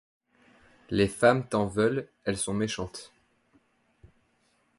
Les femmes t'en veulent ; elles sont méchantes.